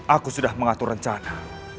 aku sudah mengatur rencana